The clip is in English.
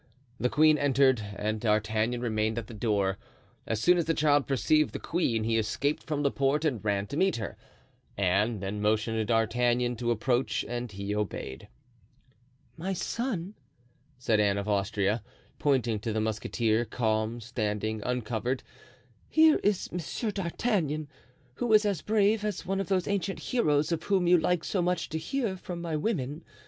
The queen entered and D'Artagnan remained at the door. As soon as the child perceived the queen he escaped from Laporte and ran to meet her. Anne then motioned to D'Artagnan to approach, and he obeyed. "My son," said Anne of Austria, pointing to the musketeer, calm, standing uncovered, "here is Monsieur d'Artagnan, who is as brave as one of those ancient heroes of whom you like so much to hear from my women.